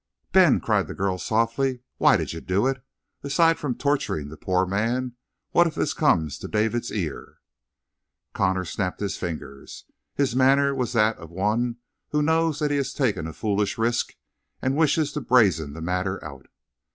"Ben," cried the girl softly, "why did you do it? Aside from torturing the poor man, what if this comes to David's ear?" Connor snapped his finger. His manner was that of one who knows that he has taken a foolish risk and wishes to brazen the matter out.